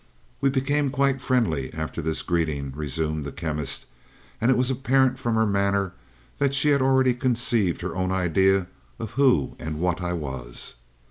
"We became quite friendly after this greeting," resumed the Chemist, "and it was apparent from her manner that she had already conceived her own idea of who and what I was.